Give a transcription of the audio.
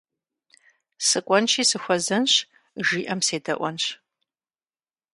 Сыкӏуэнщи сыхуэзэнщ, жиӏэм седэӏуэнщ.